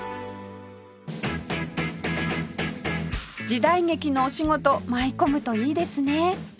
時代劇のお仕事舞い込むといいですね